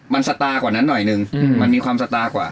มันสตาร์กว่านั้นหน่อยนึงมันมีความสตาร์กว่า